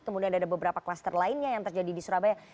kemudian ada beberapa klaster lainnya yang terjadi di surabaya